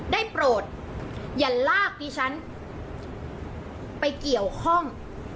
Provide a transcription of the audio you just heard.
ได้โปรดอย่าลากที่ฉันไปเกี่ยวห้อง